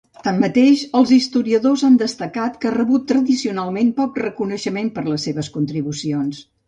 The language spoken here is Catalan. Tanmateix, els historiadors han destacat que ha rebut tradicionalment poc reconeixement per les seves contribucions.